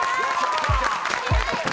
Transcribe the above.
早い！